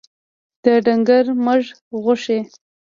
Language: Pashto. د ډنګر مږ غوښي